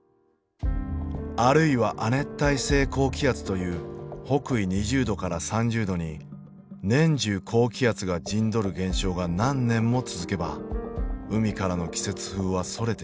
あるいは亜熱帯性高気圧という北緯２０度から３０度に年中高気圧が陣取る現象が何年も続けば海からの季節風はそれてしまう。